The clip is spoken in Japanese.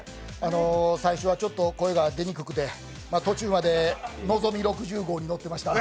最初は声が出にくくて、途中まで「のぞみ６０号」に乗ってました。